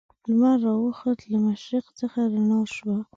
لمر را وخوت له مشرق څخه رڼا شوه.